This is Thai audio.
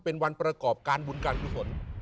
เป็นวันประกอบการบุญการกุศล